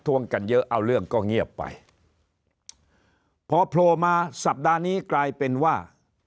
วงกันเยอะเอาเรื่องก็เงียบไปพอโผล่มาสัปดาห์นี้กลายเป็นว่า